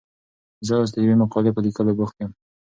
زه اوس د یوې مقالې په لیکلو بوخت یم.